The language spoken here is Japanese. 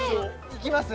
行きます？